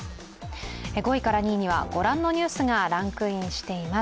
５位から２位にはご覧のニュースがランクインしています。